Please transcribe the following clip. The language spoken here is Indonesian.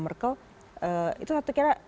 merkel itu satu kira